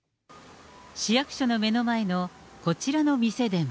市役所の目の前のこちらの店でも。